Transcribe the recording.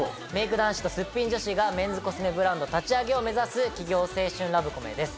男子とすっぴん女子がメンズコスメブランド立ち上げを目指す起業青春ラブコメです。